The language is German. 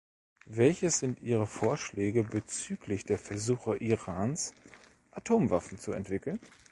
Welches sind Ihre Vorschläge bezüglich der Versuche Irans, Atomwaffen zu entwickeln?